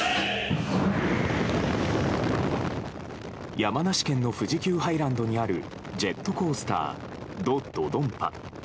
山梨県の富士急ハイランドにあるジェットコースタード・ドドンパ。